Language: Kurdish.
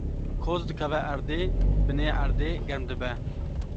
koz dikeve erdê, binê erdê germ dibe